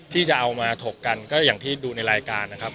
ที่จะเอามาถกกันก็อย่างที่ดูในรายการนะครับ